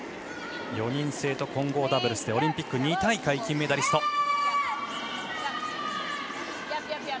４人制と混合ダブルスでオリンピック２大会金メダリスト。